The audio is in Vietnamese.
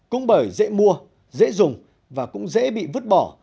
cũng bởi dễ mua dễ dùng và cũng dễ bị vứt bỏ